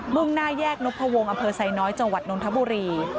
่งหน้าแยกนพวงอำเภอไซน้อยจังหวัดนทบุรี